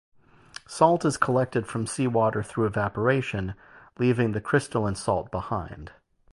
Salt is collected from seawater through evaporation, leaving the crystalline salt behind.